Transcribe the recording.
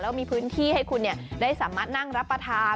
แล้วมีพื้นที่ให้คุณได้สามารถนั่งรับประทาน